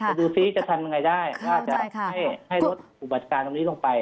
ดูซิจะทำยังไงได้ว่าจะให้ลดอุบัติเหตุตรงนี้ลงไป